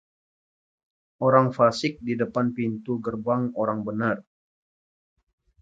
orang fasik di depan pintu gerbang orang benar.